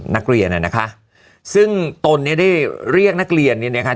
นักเรียนน่ะนะคะซึ่งตนเนี่ยได้เรียกนักเรียนเนี่ยนะคะ